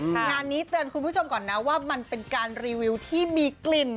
งานนี้เตือนคุณผู้ชมก่อนนะว่ามันเป็นการรีวิวที่มีกลิ่น